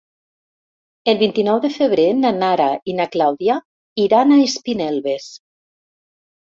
El vint-i-nou de febrer na Nara i na Clàudia iran a Espinelves.